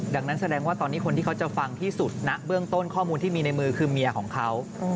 ดังนั้นแสดงว่าตอนนี้คนที่เขาจะฟังที่สุดนะเบื้องต้นข้อมูลที่มีในมือคือเมียของเขา